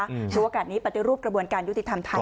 หรือกูการแบบนี้ปฏิรูปกระบวนการยุติธรรมไทยค่ะ